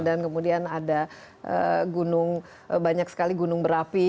dan kemudian ada gunung banyak sekali gunung berapi